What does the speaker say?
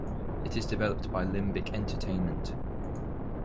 It is developed by Limbic Entertainment.